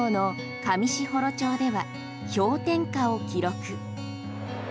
北海道の上士幌町では氷点下を記録。